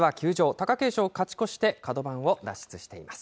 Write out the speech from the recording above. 貴景勝、勝ち越してカド番を脱出しています。